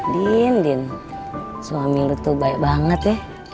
din din suami lu tuh baik banget ya